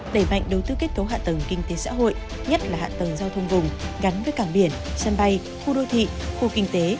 đẩy mạnh đầu tư kết cấu hạ tầng kinh tế xã hội nhất là hạ tầng giao thông vùng gắn với cảng biển sân bay khu đô thị khu kinh tế